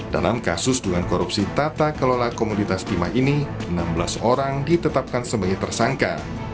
dalam kasus dugaan korupsi tata kelola komunitas timah ini enam belas orang ditetapkan sebagai tersangka